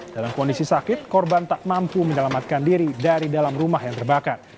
dalam kondisi sakit korban tak mampu menyelamatkan diri dari dalam rumah yang terbakar